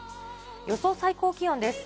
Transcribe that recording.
予想最高気温です。